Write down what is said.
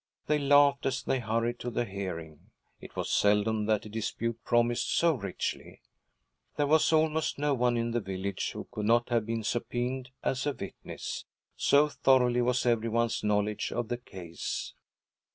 They laughed as they hurried to the hearing: it was seldom that a dispute promised so richly. There was almost no one in the village who could not have been subpœnaed as a witness, so thorough was every one's knowledge of the case.